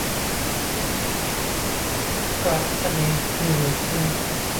มูลนิธิราชประชานุเคราะห์